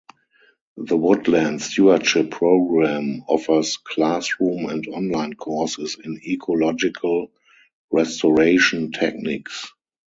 The Woodland Stewardship Program offers classroom and online courses in ecological restoration techniques.